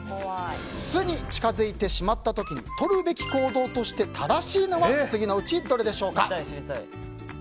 巣に近づいてしまった時にとるべき行動として正しいのは次のうちどれでしょうか？